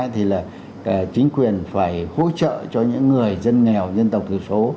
thì chính quyền phải hỗ trợ cho những người dân nghèo dân tộc tự số